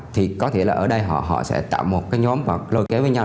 thì có thể là ở đây họ sẽ tạo một cái nhóm họ lôi kéo với nhau